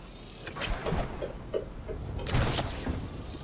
Hii huwasilisha dhana au maana zaidi ya moja katika lugha ya Kiswahili.